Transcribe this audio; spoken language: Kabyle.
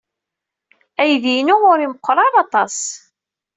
Aydi-inu ur meɣɣer ara aṭas.